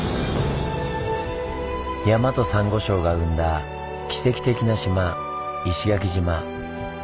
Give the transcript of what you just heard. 山とサンゴ礁が生んだ奇跡的な島石垣島。